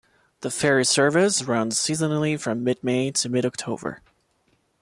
The ferry service runs seasonally from mid-May to mid-October.